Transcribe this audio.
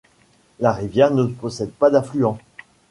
La rivière ne possède pas d’affluent.